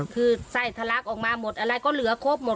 คือไส้ทะลักออกมาหมดอะไรก็เหลือครบหมด